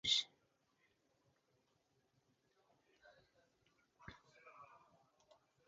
The ancients chose the interlunar day for the celebration of the Sacred Marriages.